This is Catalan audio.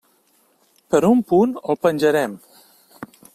Per un punt el penjaren.